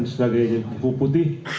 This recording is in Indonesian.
sebagai buku putih